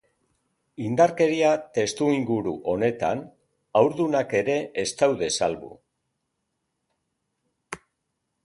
Indarkeria testuinguru honetan, haurdunak ere ez daude salbu.